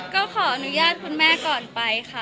ก็ขออนุญาตคุณแม่ก่อนไปค่ะ